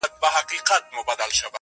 نه جامې او نه څپلۍ په محله کي,